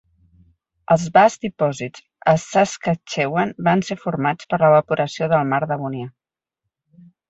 Els vasts dipòsits a Saskatchewan van ser formats per l'evaporació del mar Devonià.